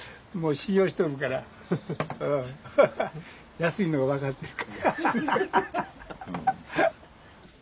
安いのが分かってるから。